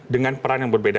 dengan peran yang berbeda